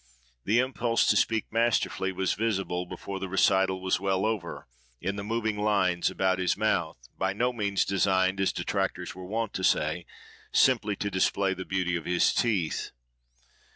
The impulse to speak masterfully was visible, before the recital was well over, in the moving lines about his mouth, by no means designed, as detractors were wont to say, simply to display the beauty of his teeth.